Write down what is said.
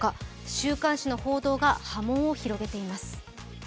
週刊誌の報道が波紋を広げています。